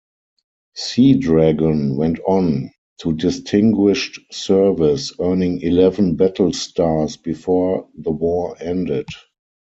"Seadragon" went on to distinguished service, earning eleven battle stars before the war ended.